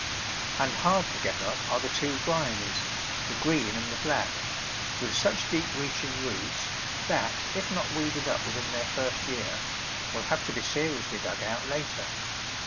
And hard to get up are the two Bryonies, the green and the black, with such deep reaching roots, that, if not weeded up within their first year, will have to be seriously dug out later.